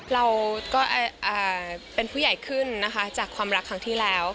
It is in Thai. เราก็เป็นผู้ใหญ่ขึ้นนะคะจากความรักครั้งที่แล้ว